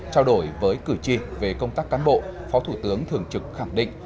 trao đổi với cử tri về công tác cán bộ phó thủ tướng thường trực khẳng định